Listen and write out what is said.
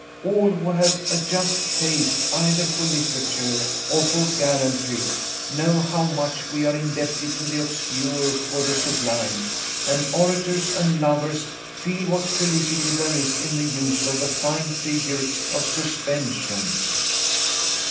All who have a just taste either for literature or for gallantry, know how much we are indebted to the obscure for the sublime; and orators and lovers feel what felicity there is in the use of the fine figure of suspension."